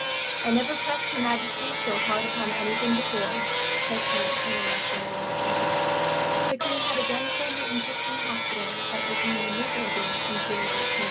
"I never pressed Her Majesty so hard upon anything before," said he, in announcing the Royal pleasure. The Queen had again shown her interest in the Hospital by opening the new building in June 1871.